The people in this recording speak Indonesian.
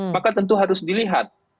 maka tentu harus dilihat